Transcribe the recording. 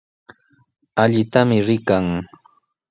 Allitami rikan.